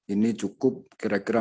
ini cukup kira kira